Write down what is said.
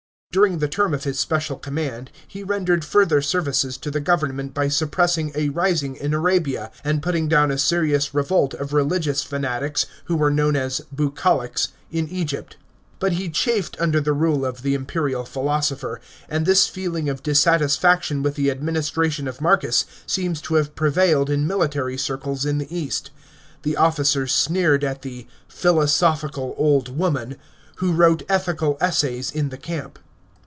During the term of his special command, he rendered further services to the government by suppressing a rising in Arabia, and putting down a serious revolt of religious fanatics, who were known as " Bucolics," in Egypt. But he chafed under the rule of the imperial philosopher, and this feeling of dissatisfaction with the administration of Marcus seems to have prevailed in military circles in the east. The officers sneered at the "philosophical old woman" who wrote ethical essays in the camp.